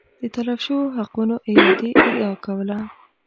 د تلف شویو حقونو اعادې ادعا کوله